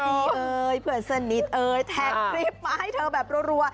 เอฟที่เผื่อสนิทแท็กคลิปมาให้เธอแบบรว